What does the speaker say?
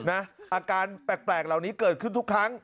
อาการแปลกเหล่านี้เกิดขึ้นทุกครั้ง